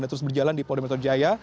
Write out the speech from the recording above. dan terus berjalan di polri dato' jaya